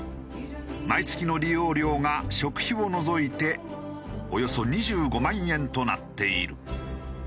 毎月の利用料が食費を除いておよそ２５万円となっている。